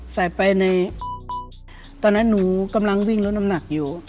ใส่ไปในตอนนั้นหนูกำลังวิ่งลดน้ำหนักอยู่